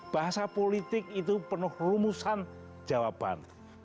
bahasa politik itu penuh rumusan jawaban